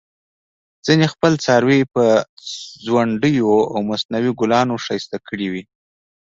ځینې خپل څاروي په ځونډیو او مصنوعي ګلانو ښایسته کړي وي.